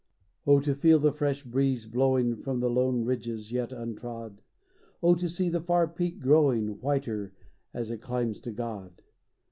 Oh, to feel the fresh breeze blowing From lone ridges yet untrod ! Oh, to see the far peak growing Whiter as it climbs to God